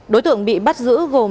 đối tượng bị bắt giữ gồm